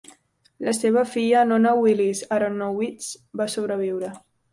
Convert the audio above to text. La seva filla, Nona Willis-Aronowitz, va sobreviure.